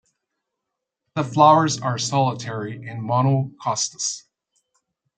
The flowers are solitary in "Monocostus".